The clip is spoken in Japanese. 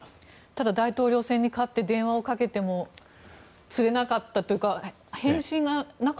ただ大統領選に勝って電話をかけてもつれなかったというか返信がなかった。